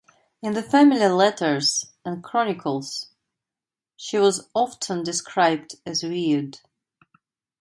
In the family letters and chronicles she was often described as weird.